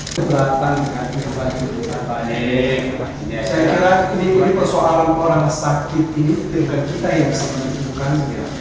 saya kira ini persoalan orang sakit ini dengan kita yang sebenarnya bukan